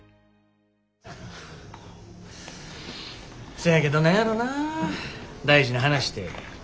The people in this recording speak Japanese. そやけど何やろな大事な話て。